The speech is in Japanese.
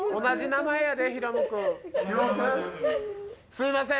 すいません。